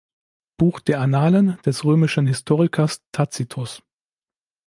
Buch der "Annalen" des römischen Historikers Tacitus.